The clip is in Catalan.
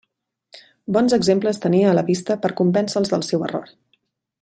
Bons exemples tenia a la vista per a convèncer-los del seu error.